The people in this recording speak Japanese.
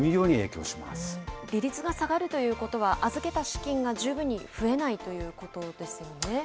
利率が下がるということは、預けた資金が十分に増えないということですよね。